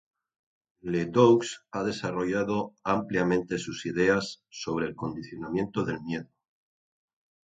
LeDoux ha desarrollado ampliamente sus ideas sobre el condicionamiento del miedo.